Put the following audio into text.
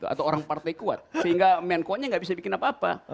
atau orang partai kuat sehingga menko nya nggak bisa bikin apa apa